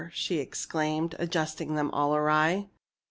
she exclaimed, adjusting them all awry.